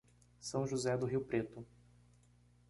São José do Rio Preto